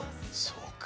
そうか。